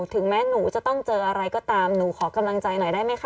ถึงแม้หนูจะต้องเจออะไรก็ตามหนูขอกำลังใจหน่อยได้ไหมคะ